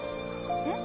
えっ？